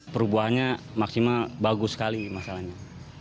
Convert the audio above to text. perubahannya maksimal bagus sekali masalahnya